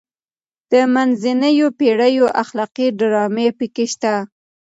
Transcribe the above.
د منځنیو پیړیو اخلاقي ډرامې پکې شته.